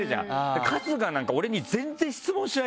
春日なんか俺に全然質問しないんだから。